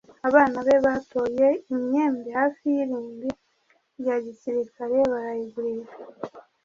abana be batoye imyembe hafi y'irimbi rya gisirikare barayigurisha